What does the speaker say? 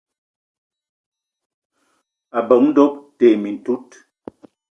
Ebeng doöb te mintout.